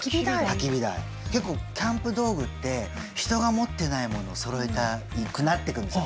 結構キャンプ道具って人が持ってないものをそろえたくなってくるんですよ。